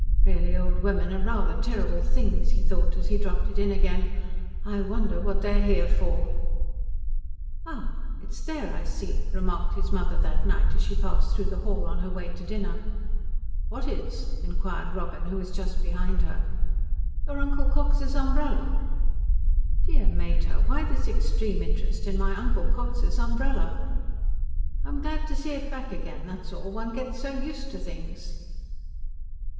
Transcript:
"Really old women are rather terrible things," he thought as he dropped it in again. "I wonder what they're here for." "Ah, it's there, I see," remarked his mother that night as she passed through the hall on her way to dinner. "What is?" inquired Robin who was just behind her. "Your Uncle Cox's umbrella." "Dear mater, why this extreme interest in my Uncle Cox's umbrella?" "I'm glad to see it back again, that's all. One gets so used to things."